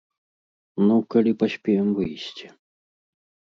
Ну, калі паспеем выйсці.